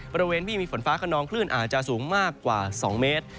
บริเวณที่มีฝนฟ้าขนองคลื่นอาจจะสูงมากกว่า๒เมตร